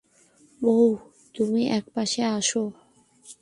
বোহ, তুমি এইপাশে আস।